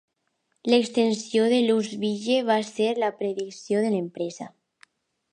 L'extensió de Louisville va ser la perdició de l'empresa.